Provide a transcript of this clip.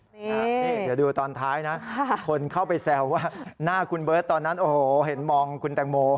นี่เดี๋ยวดูตอนท้ายนะคนเข้าไปแซวว่าหน้าคุณเบิร์ตตอนนั้นโอ้โหเห็นมองคุณแตงโม